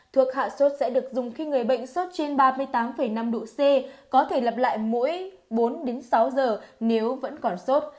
thuộc hạ sốt sẽ được dùng khi người bệnh sốt trên ba mươi tám năm độ c có thể lập lại mỗi bốn đến sáu giờ nếu vẫn còn sốt